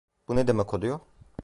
Bu ne demek oluyor?